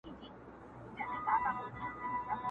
o چي کوس ئې کولای سي ، اولس ئې نه سي کولای!